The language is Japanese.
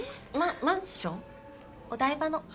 お台場の。